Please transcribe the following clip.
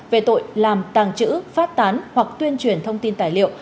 về tội làm tàng trữ phát tán hoặc tuyên truyền thông tin tài liệu